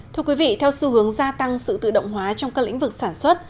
thưa quý vị theo xu hướng gia tăng sự tự động hóa trong các lĩnh vực sản xuất